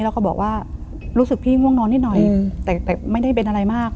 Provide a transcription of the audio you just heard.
แล้วก็บอกว่ารู้สึกพี่ง่วงนอนนิดหน่อยแต่ไม่ได้เป็นอะไรมาก